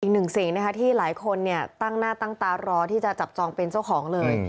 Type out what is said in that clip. อีกหนึ่งสิ่งนะคะที่หลายคนตั้งหน้าตั้งตารอที่จะจับจองเป็นเจ้าของเลย